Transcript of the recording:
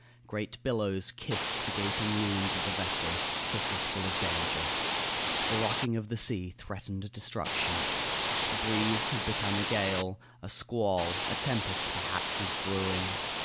Great billows kissed the gaping wounds of the vessel kisses full of danger. The rocking of the sea threatened destruction. The breeze had become a gale. A squall, a tempest, perhaps, was brewing.